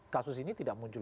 kasus ini tidak muncul